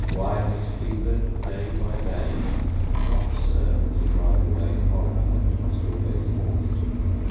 Why his fevered day by day Will not serve to drive away Horror that must always haunt